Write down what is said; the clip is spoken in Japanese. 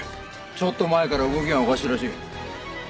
ちょっと前から動きがおかしいらしい。